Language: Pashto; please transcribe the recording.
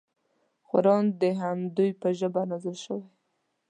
قران د همدوی په ژبه نازل شوی.